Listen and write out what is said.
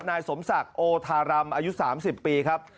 นายสมศักดิ์โอธารำอายุ๓๐ปีครับ